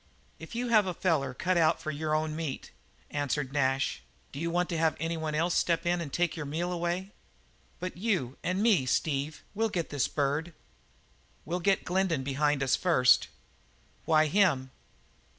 "If you have a feller cut out for your own meat," answered Nash, "d'you want to have any one else step in and take your meal away?" "But you and me, Steve, we'll get this bird." "We'll get Glendin behind us first." "Why him?"